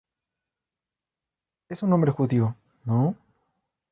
Es un nombre judío, ¿no?...